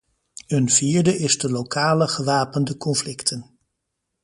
Een vierde is de lokale gewapende conflicten.